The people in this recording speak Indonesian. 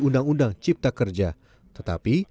undang undang cipta kerja tetapi